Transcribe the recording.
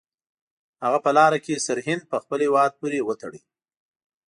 هغه په لاره کې سرهند په خپل هیواد پورې وتاړه.